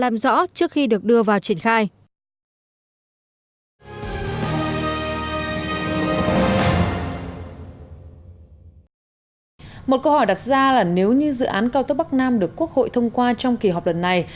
một câu hỏi đặt ra là nếu như dự án cao tốc bắc nam được quốc hội thông qua trong kỳ họp lần này